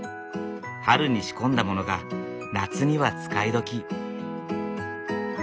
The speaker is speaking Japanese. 春に仕込んだものが夏には使い時。